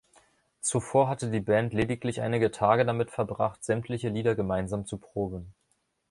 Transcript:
Zuvor hatte die Band lediglich einige Tage damit verbracht, sämtliche Lieder gemeinsam zu proben.